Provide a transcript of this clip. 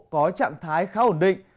có trạng thái khá ổn định